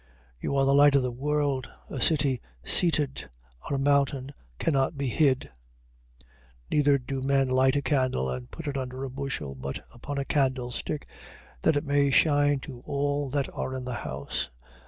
5:14. You are the light of the world. A city seated on a mountain cannot be hid. 5:15. Neither do men light a candle and put it under a bushel, but upon a candlestick, that it may shine to all that are in the house.